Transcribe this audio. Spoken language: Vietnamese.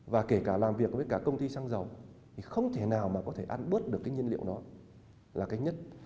và kể cả làm việc với cả công ty xăng dầu thì không thể nào mà có thể ăn bớt được cái nhiên liệu đó là cái nhất